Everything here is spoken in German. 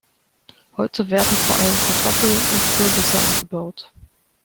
Heute werden vor allem Kartoffeln und Kürbisse angebaut.